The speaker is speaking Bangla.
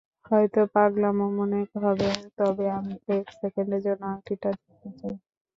হয়ত পাগলামো মনে হবে, তবে আমি এক সেকেন্ডের জন্য আংটিটা দেখতে চাই।